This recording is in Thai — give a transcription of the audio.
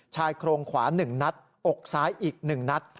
ชายโครงขวา๑นัดอกซ้ายอีก๑นัด